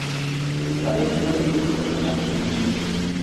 Isabel no es el único personaje femenino.